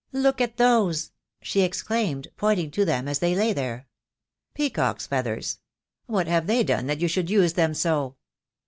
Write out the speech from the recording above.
"Look at those," she exclaimed, pointing to them as they lay there. "Peacock's feathers! What have they done that you should use them so?"